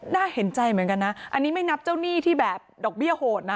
น่าเห็นใจเหมือนกันนะอันนี้ไม่นับเจ้าหนี้ที่แบบดอกเบี้ยโหดนะ